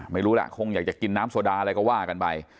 ไม่รู้แหละคงอยากจะกินน้ำโซดาอะไรก็ว่ากันไป